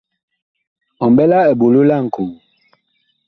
Ɔ mɓɛ la eɓolo laŋkoo ?